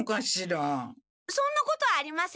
そんなことありません。